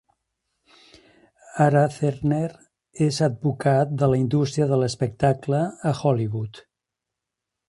Ara Zerner és advocat de la indústria de l'espectacle a Hollywood.